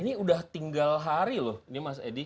ini sudah tinggal hari loh mas edi